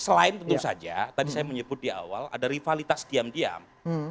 selain tentu saja tadi saya menyebut di awal ada rivalitas diam diam